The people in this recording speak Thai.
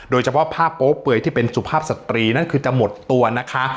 โดยเฉพาะภาพโป๊เปื่อยที่เป็นสุภาพสตรีนั่นคือจะหมดตัวนะคะ